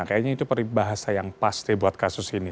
kayaknya itu peribahasa yang pasti buat kasus ini